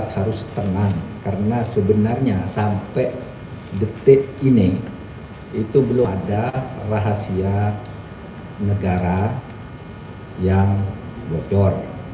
harus tenang karena sebenarnya sampai detik ini itu belum ada rahasia negara yang bocor